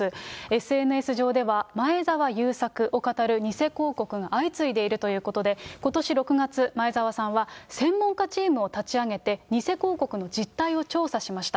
ＳＮＳ上では前澤友作をかたる偽広告が相次いでいるということで、ことし６月、前澤さんは、専門家チームを立ち上げて、偽広告の実態を調査しました。